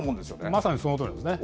まさにそのとおりなんですね。